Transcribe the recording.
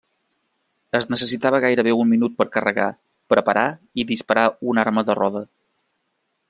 Es necessitava gairebé un minut per carregar, preparar i disparar una arma de roda.